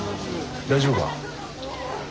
大丈夫か？